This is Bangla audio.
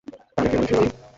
তাহলে কে বলেছিল, হারামজাদা!